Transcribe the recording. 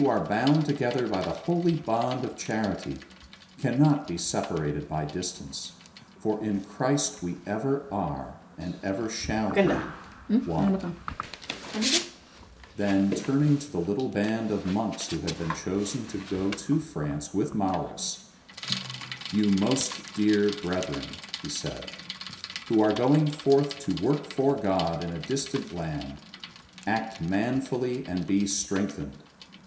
BENEDICT are bound together by the holy bond of charity cannot be separated by distance, for in Christ we ever are, and ever shall be, one/' Then turning to the little band of monks who had been chosen to go to France with Maurus, " You, most dear brethren/' he said, '' who are going forth to work for God in a distant land, act manfully and be strengthened.